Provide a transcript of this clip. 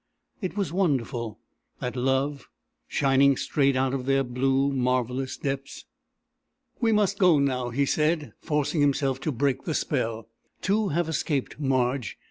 It was wonderful, that love shining straight out of their blue, marvellous depths! "We must go now," he said, forcing himself to break the spell. "Two have escaped, Marge.